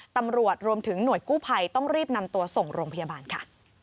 ตำรวจรวมถึงหน่วยกู้ภัยต้องรีบนำตัวส่งโรงพยาบาลค่ะ